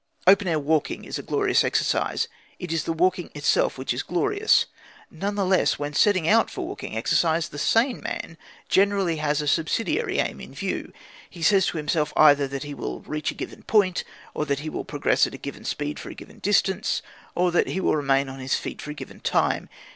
Open air walking is a glorious exercise; it is the walking itself which is glorious. Nevertheless, when setting out for walking exercise, the sane man generally has a subsidiary aim in view. He says to himself either that he will reach a given point, or that he will progress at a given speed for a given distance, or that he will remain on his feet for a given time.